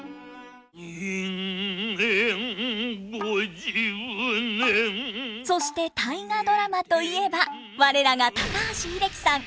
人間五十年そして「大河ドラマ」といえば我らが高橋英樹さん。